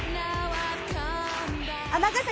尼崎